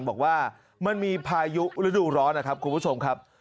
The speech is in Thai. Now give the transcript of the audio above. บอกว่ามันมีพายุฤดูร้อนนะครับคุณผู้ชมครับ